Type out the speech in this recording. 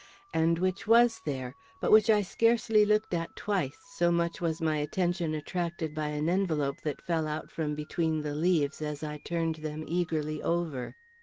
And which was there; but which I scarcely looked at twice, so much was my attention attracted by an envelope that fell out from between the leaves as I turned them eagerly over.